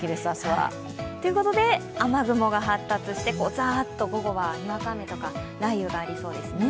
ということで、雨雲が発達して、ザーッと午後はにわか雨、雷雨がありそうですね。